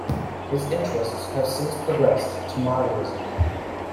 His interests have since progressed to modernism.